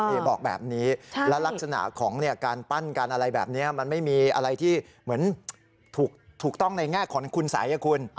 นี่บอกแบบนี้และลักษณะของการปั้นการอะไรแบบนี้มันไม่มีอะไรที่เหมือนถูกต้องในแง่ของคุณสัยคุณ